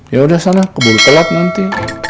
yaudah sana keburu telat nanti